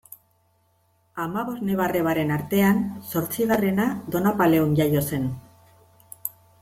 Hamabost neba-arrebaren artean zortzigarrena, Donapaleun jaio zen.